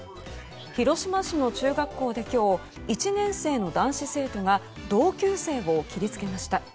広島市の中学校で今日１年生の男子生徒が同級生を切りつけました。